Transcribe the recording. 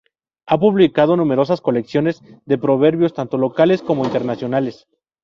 Ha publicado numerosas colecciones de proverbios, tanto locales como internacionales.